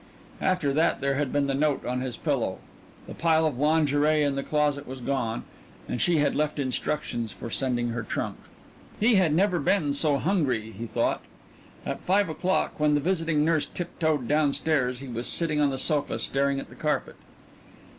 After that there had been the note on his pillow. The pile of lingerie in the closet was gone and she had left instructions for sending her trunk. He had never been so hungry, he thought. At five o'clock, when the visiting nurse tiptoed down stairs, he was sitting on the sofa staring at the carpet.